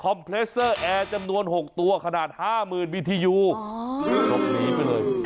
คอมเพลสเซอร์แอร์จำนวนหกตัวขนาดห้าหมื่นบิทียูอ๋อหลบหนีไปเลย